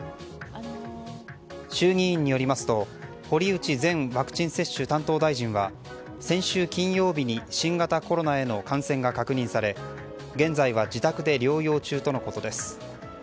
衆議院によりますと堀内前ワクチン接種担当大臣は先週金曜日に新型コロナへの感染が確認され現在は自宅で療養中とのことです。